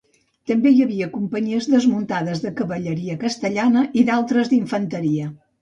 També hi havia companyies desmuntades de cavalleria castellana i d'altres d'infanteria.